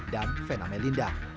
dan vena melinda